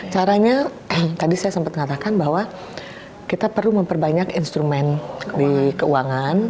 caranya tadi saya sempat mengatakan bahwa kita perlu memperbanyak instrumen di keuangan